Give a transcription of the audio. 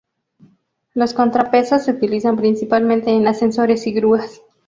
Los contrapesos se utilizan principalmente en ascensores y grúas.